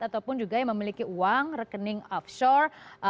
ataupun juga yang memiliki uang rekening afshore